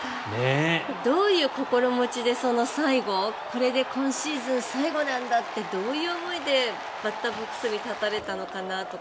どういう心持ちで、最後これで今シーズン最後なんだってどういう思いでバッターボックスに立たれたのかなと。